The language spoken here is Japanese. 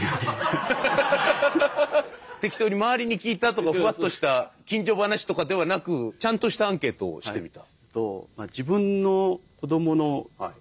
適当に周りに聞いたとかふわっとした近所話とかではなくちゃんとしたアンケートをしてみた。